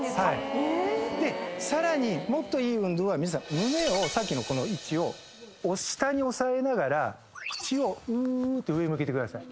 さらにもっといい運動は胸をさっきのこの位置を下に押さえながら口をうーって上に向けてください。